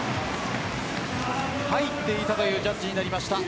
入っていたというジャッジになりました。